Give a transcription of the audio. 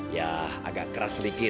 ya agak keras sedikit